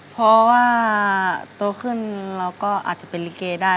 เพราะว่าโตขึ้นเราก็อาจจะเป็นลิเกได้